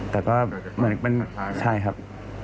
แต่ก็เหมือนเป็นใช่ครับ